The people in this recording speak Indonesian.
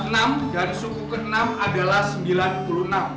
dan suku ke enam adalah enam